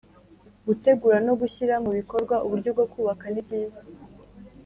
gutegura no gushyira mu bikorwa uburyo bwo kubaka nibyiza